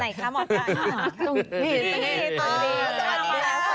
ไหนคะเหมาะไก่